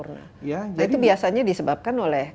nah itu biasanya disebabkan oleh